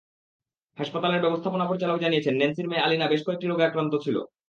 হাসপাতালের ব্যবস্থাপনা পরিচালক জানিয়েছেন, ন্যান্সির মেয়ে আলিনা বেশ কয়েকটি রোগে আক্রান্ত ছিল।